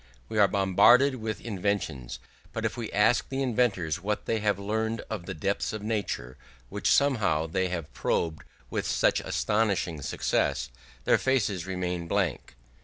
We are bombarded with inventions; but if we ask the inventors what they have learned of the depths of nature, which somehow they have probed with such astonishing success, their faces remain blank.